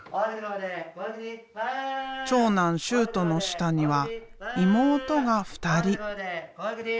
長男修杜の下には妹が二人。